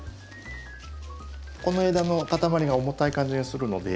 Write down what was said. この枝のかたまりが重たい感じがするので。